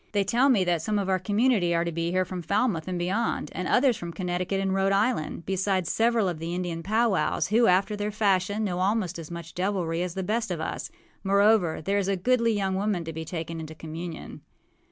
They tell me that some of our community are to be here from Falmouth and beyond, and others from Connecticut and Rhode Island, besides several of the Indian powwows, who, after their fashion, know almost as much deviltry as the best of us. Moreover, there is a goodly young woman to be taken into communion.